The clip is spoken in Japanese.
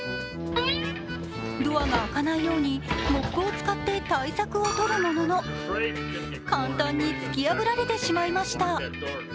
ドアが開かないようにモップを使って対策をとるものの、簡単に突き破られてしまいました。